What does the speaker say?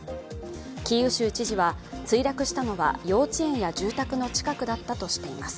キーウ州知事は、墜落したのは幼稚園や住宅の近くだったとしています。